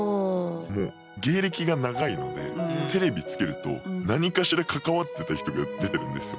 芸歴が長いのでテレビつけると何かしら関わってた人が出てるんですよ。